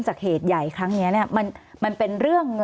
สวัสดีครับทุกคน